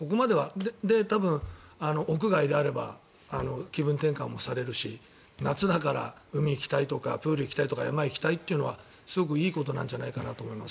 多分屋外であれば気分転換もされるし夏だから海に行きたいとかプールに行きたい山に行きたいというのはすごくいいことなんじゃないかなと思います。